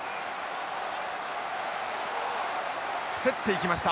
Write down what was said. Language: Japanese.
競っていきました。